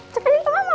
cekanin ke mama